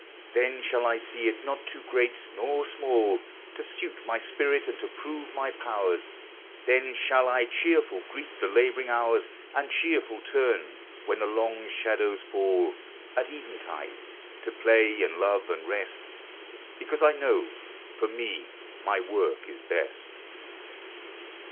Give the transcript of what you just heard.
416 POEMS OF SENTIMENT. Then shall I see it not too great, nor small, To suit my spirit and to prove my powers ; Then shall I cheerful greet the laboring hours, And cheerful turn, when the long shadows fall At eventide, to play and love and rest, Because I know for me my work is best.